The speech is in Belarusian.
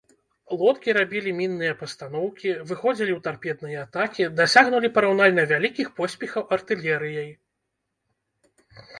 Лодкі рабілі мінныя пастаноўкі, выходзілі ў тарпедныя атакі, дасягнулі параўнальна вялікіх поспехаў артылерыяй.